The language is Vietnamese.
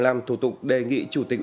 làm thủ tục đề nghị chủ tịch